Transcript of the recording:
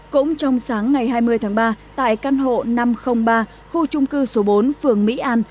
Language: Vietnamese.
cũng trong sáng ngày hai mươi tháng ba tại căn hộ năm trăm linh ba khu trung cư số bốn phường mỹ an